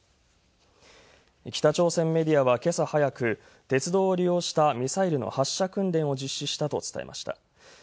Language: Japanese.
北朝鮮メディアは、けさ早く鉄道を利用したミサイルの発射訓練を実施したと伝えました。